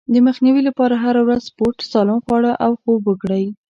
د مخنيوي لپاره هره ورځ سپورت، سالم خواړه او خوب وکړئ.